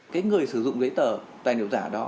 cái người sử dụng giấy tờ tài liệu giả đó